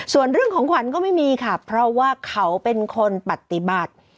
ส่วนเรื่องของขวัญก็ไม่มีค่ะเพราะว่าเขาเป็นคนปฏิบัติ